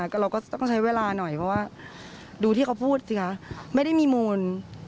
ก็เราก็ต้องใช้เวลาหน่อยเพราะว่าดูที่เขาพูดสิคะไม่ได้มีมูล